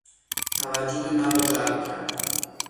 توجه مرا جلب کرد.